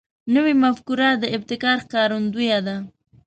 نوې مفکوره د ابتکار ښکارندوی ده